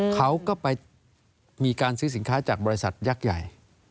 เขาก็ไปมีการซื้อสินค้าจากบริษัทยักษ์ใหญ่